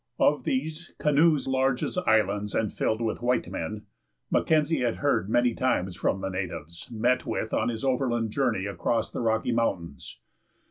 Of these "canoes, large as islands, and filled with white men," Mackenzie had heard many times from the natives met with on his overland journey across the Rocky Mountains.